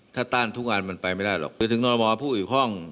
ถ้าต้านทุกอันมันไปไม่ได้หรอกคือถึงนรบผู้อื่นห้อง